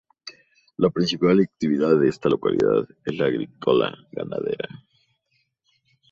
La principal actividad de esta localidad es la agrícola-ganadera.